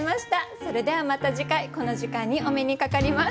それではまた次回この時間にお目にかかります。